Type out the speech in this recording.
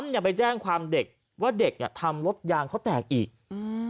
อย่าไปแจ้งความเด็กว่าเด็กเนี้ยทำรถยางเขาแตกอีกอืม